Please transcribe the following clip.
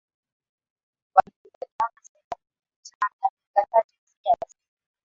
Walikubaliana sehemu ya kukutana dakika chache zijazo